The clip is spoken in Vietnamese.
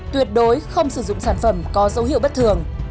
tuyệt đối không sử dụng sản phẩm có dấu hiệu bất thường